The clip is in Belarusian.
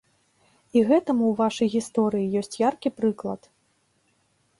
І гэтаму ў вашай гісторыі ёсць яркі прыклад.